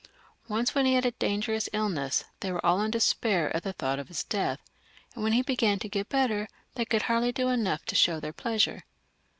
Once when he had a dangerous illness, they were all in despair at the thought of his death, and when he began to get better, they <;ould hardly do enough to show their pleasure.